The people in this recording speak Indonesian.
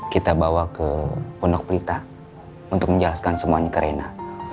kita bawa ke pondok pelita untuk menjelaskan semuanya ke rena